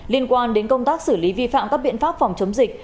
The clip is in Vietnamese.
liên quan đến công tác xử lý vi phạm các biện pháp phòng chống dịch